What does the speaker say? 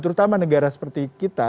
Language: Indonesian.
terutama negara seperti kita